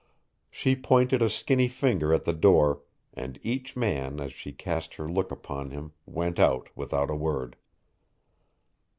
She pointed a skinny finger at the door, and each man as she cast her look upon him went out without a word.